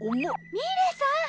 ミレさん！